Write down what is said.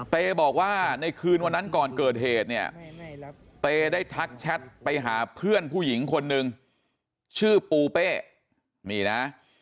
เต้บอกว่าในคืนวันนั้นก่อนเกิดเหตุเนี่ยเต้ได้ทักแชทไปหาเพื่อนผู้หญิงคนนึงชื่อปูเป้นี่นะ